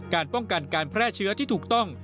การป้องกันการแพร่เชื้อที่ถูกต้อง